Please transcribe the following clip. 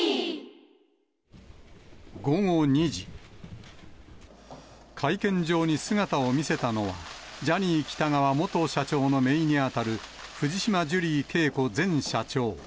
午後２時、会見場に姿を見せたのは、ジャニー喜多川元社長のめいに当たる、藤島ジュリー景子前社長。